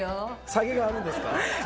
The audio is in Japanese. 下げがあるんですか？